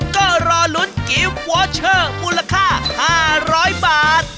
ก็รอลุ้นกิฟต์วอเชอร์มูลค่า๕๐๐บาท